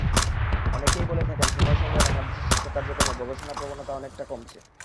অনেকেই বলে থাকেন সময়ের সঙ্গে বাংলাদেশের শিক্ষা কার্যক্রমে গবেষণাপ্রবণতা অনেকটা কমছে।